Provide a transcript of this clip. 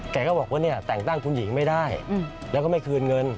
แกก็บอกว่าเนี่ยแต่งตั้งคุณหญิงไม่ได้แล้วก็ไม่คืนเงิน